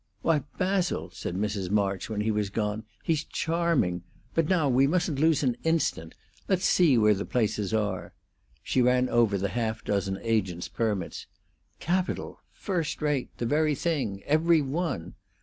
"Why, Basil," said Mrs. March, when he was gone, "he's charming! But now we mustn't lose an instant. Let's see where the places are." She ran over the half dozen agents' permits. "Capital first rate the very thing every one.